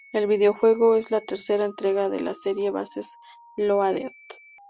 El videojuego es la tercera entrega de la serie "Bases Loaded".